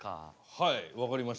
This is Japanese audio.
はい分かりました。